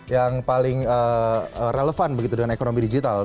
yang paling relevan begitu dengan ekonomi digital